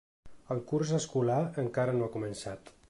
El curs escolar encara no ha començat.